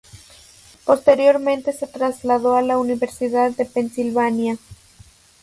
Posteriormente se trasladó a la Universidad de Pensilvania.